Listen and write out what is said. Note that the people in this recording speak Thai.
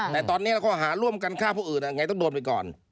แต่ตอนนี้ข้อหาร่วมกันฆ่าผู้อื่นไงต้องโดนไปก่อน